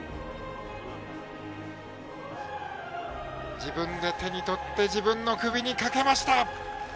自分で手に取って、自分の首にかけました。